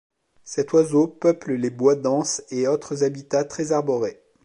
Cet oiseau peuple les bois denses et autres habitats très arborés.